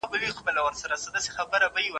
که استاد وي نو لارښوونه نه کمیږي.